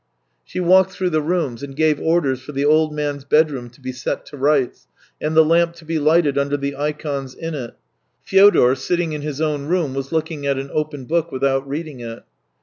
She walked through the rooms, and gave orders for the old man's bedroom to be set to rights, and the lamp to be lighted under the ikons in it. Fyodor, sitting in his own room, was looking at an open book without reading it.